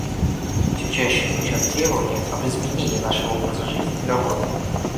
Все чаще звучат требования об изменении нашего образа жизни и работы.